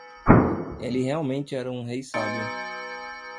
Ele realmente era um rei sábio.